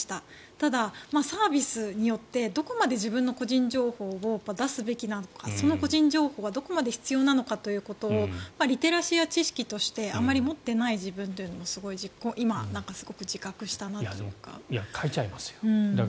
ただ、サービスによってどこまで自分の個人情報を出すべきなのかその個人情報はどこまで必要なのかということをリテラシーや知識としてあまり持っていない自分というのもすごく今、自覚したなというか。